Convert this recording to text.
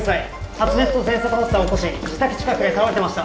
発熱とぜんそく発作を起こし自宅近くで倒れてました。